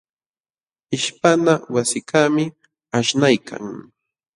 Ishpana wasikaqmi aśhnaykan.